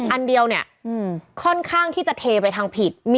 อันเดียวเนี่ยค่อนข้างที่จะเทไปทางผิด